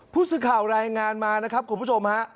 ผู้สื่อข่าวรายงานมานะครับคุณผู้ชมฮะ